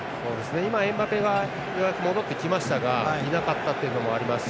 エムバペがようやく戻ってきましたがいなかったというのもありますし。